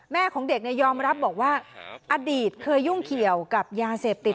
ของเด็กยอมรับบอกว่าอดีตเคยยุ่งเกี่ยวกับยาเสพติด